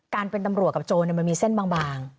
เป็นตำรวจกับโจรมันมีเส้นบาง